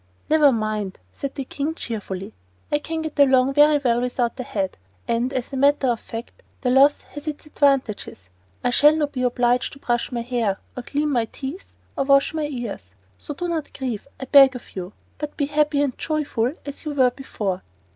"Never mind," said the King, cheerfully; "I can get along very well without a head; and, as a matter of fact, the loss has its advantages. I shall not be obliged to brush my hair, or clean my teeth, or wash my ears. So do not grieve, I beg of you, but be happy and joyful as you were before."